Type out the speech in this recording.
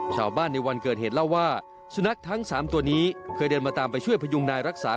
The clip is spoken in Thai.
โรบนี้ตอนนั้นผมนั่งบนคลองไปเห้ยทำไมมา